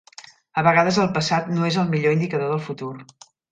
A vegades el passat no és el millor indicador del futur.